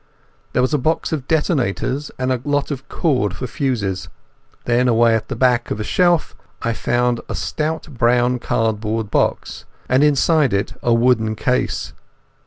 There was a box of detonators, and a lot of cord for fuses. Then away at the back of the shelf I found a stout brown cardboard box, and inside it a wooden case.